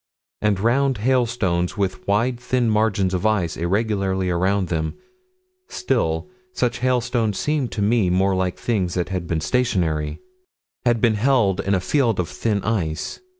And round hailstones with wide thin margins of ice irregularly around them still, such hailstones seem to me more like things that had been stationary: had been held in a field of thin ice.